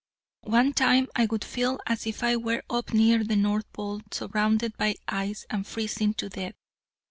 One time I would feel as if I were up near the North Pole, surrounded by ice and freezing to death.